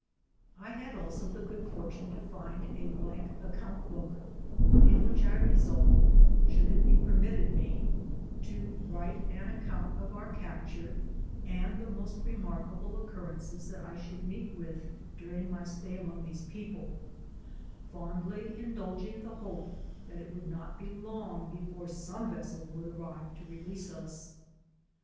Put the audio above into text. I had also the good fortune to find a blank account book, in which I resolved, should it be permitted me, to write an account of our capture, and the most remarkable occurrences that I should meet with during my stay among tliese people, fondly indulging the hope that it would not be long before some vessel would arrive to release us.